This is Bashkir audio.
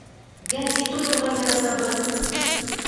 — Гәзит уҡырға яратабыҙ.